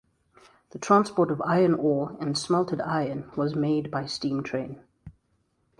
The transport of iron ore and smelted iron was made by steam train.